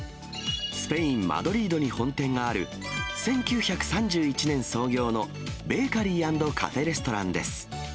スペイン・マドリードに本店がある１９３１年創業のベーカリー＆カフェレストランです。